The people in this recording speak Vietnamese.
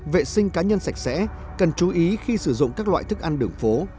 vệ sinh cá nhân sạch sẽ cần chú ý khi sử dụng các loại thức ăn đường phố